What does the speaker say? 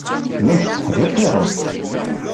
Llant tteḥdiqirent.